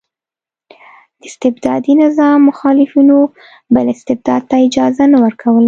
د استبدادي نظام مخالفینو بل استبداد ته اجازه نه ورکوله.